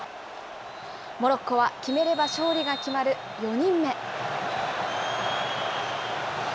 モロッコは、決めれば勝利が決まる４人目。